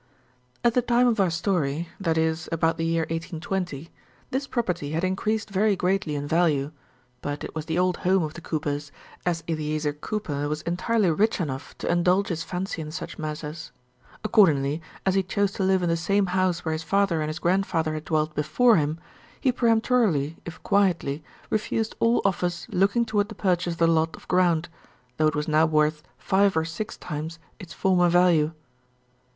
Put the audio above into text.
At the time of our story that is, about the year 1820 this property had increased very greatly in value, but it was the old home of the Coopers, as Eleazer Cooper was entirely rich enough to indulge his fancy in such matters. Accordingly, as he chose to live in the same house where his father and his grandfather had dwelt before him, he peremptorily, if quietly, refused all offers looking toward the purchase of the lot of ground though it was now worth five or six times its former value.